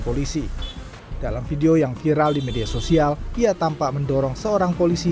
polisi dalam video yang viral di media sosial ia tampak mendorong seorang polisi